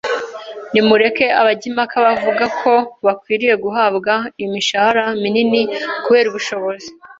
Nimureke abajya impaka bavuga ko bakwiriye guhabwa imishahara minini kubera ubushobozi